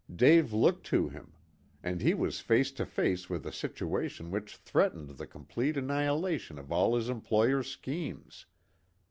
Dave looked to him. And he was face to face with a situation which threatened the complete annihilation of all his employer's schemes.